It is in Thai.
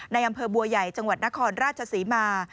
ในอำเภอบัวใหญ่จังหวัดนครราชศรีมา